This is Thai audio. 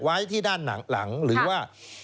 ไว้ที่ด้านหลังหรือว่า